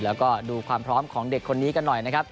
แล้วก็ดูความพร้อมของเด็กคนนี้กันหน่อยนะครับ